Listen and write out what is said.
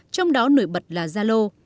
trong đó nổi bật là zalo